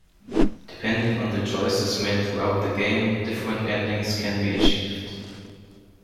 Depending on the choices made throughout the game, different endings can be achieved.